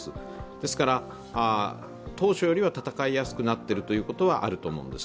ですから当初より戦いやすくなってることはあると思います。